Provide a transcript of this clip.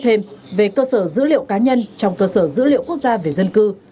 thêm về cơ sở dữ liệu cá nhân trong cơ sở dữ liệu quốc gia về dân cư